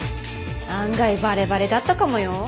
案外バレバレだったかもよ。